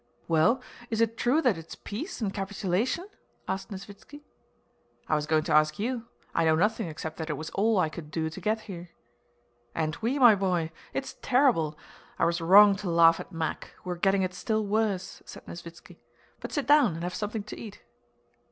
"Well, is it true that it's peace and capitulation?" asked Nesvítski. "I was going to ask you. I know nothing except that it was all I could do to get here." "And we, my dear boy! It's terrible! I was wrong to laugh at Mack, we're getting it still worse," said Nesvítski. "But sit down and have something to eat."